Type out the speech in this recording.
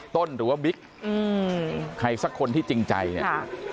หรือว่าบิ๊กอืมใครสักคนที่จริงใจเนี่ย